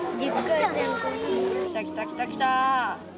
きたきたきたきた。